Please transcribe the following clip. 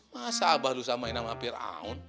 masa abah lu samain sama fir'aun